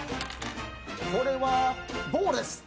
これはボールです。